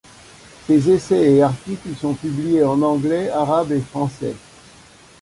Ses essais et articles sont publiés en anglais, arabe et français.